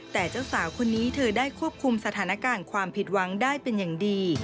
แต่เจ้าสาวคนนี้เธอได้ควบคุมสถานการณ์ความผิดหวังได้เป็นอย่างดี